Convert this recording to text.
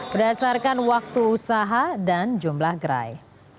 berdasarkan waktu usaha dan jumlah gerai